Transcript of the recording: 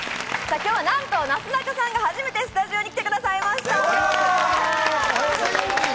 今日はなんと、なすなかさんが初めてスタジオに来てくださいました。